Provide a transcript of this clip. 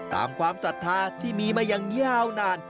ความศรัทธาที่มีมาอย่างยาวนาน